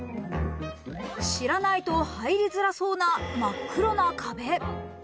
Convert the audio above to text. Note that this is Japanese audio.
知らないと入りづらそうな真っ黒な壁。